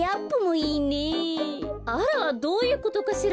あらどういうことかしら。